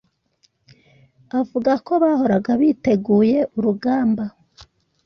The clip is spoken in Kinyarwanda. avuga ko bahoraga biteguye urugamba